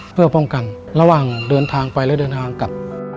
เพื่อป้องกันระหว่างเดินทางไปและเดินทางกลับ